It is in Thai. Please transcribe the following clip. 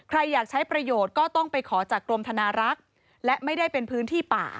ใครอยากใช้ประโยชน์ก็ต้องไปขอจากกรมธนารักษ์และไม่ได้เป็นพื้นที่ป่า